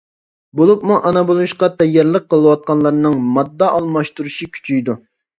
بولۇپمۇ ئانا بولۇشقا تەييارلىق قىلىۋاتقانلارنىڭ ماددا ئالماشتۇرۇشى كۈچىيىدۇ.